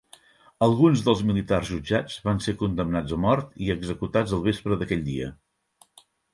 Alguns dels militars jutjats van ser condemnats a mort i executats al vespre d'aquell dia.